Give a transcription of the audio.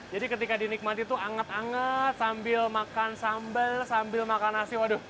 jadi ketika dinikmati tuh anget anget sambil makan sambal sambil makan nasi waduh mantap